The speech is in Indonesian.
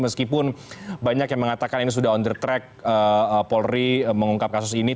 meskipun banyak yang mengatakan ini sudah on the track polri mengungkap kasus ini